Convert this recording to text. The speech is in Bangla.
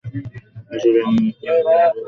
আসলে, উনি, আমাকে তার এক বন্ধুর কাছে নিতে চাচ্ছেন।